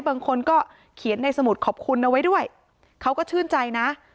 บางคนก็เขียนในสมุดขอบคุณเอาไว้ด้วยเขาก็ชื่นใจนะ